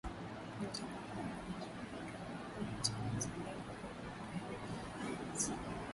nyota nyekundu kwenye tovuti za lengo Eric Gorgens